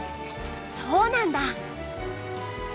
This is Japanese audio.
そうなんだ。